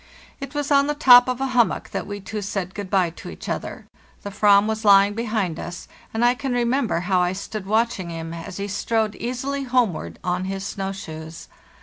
It was on the top of a hummock that we two said good bye to each other; the "Avram was lying behind us, and I can remember how I stood watching him as he strode easily homeward on his snow shoes.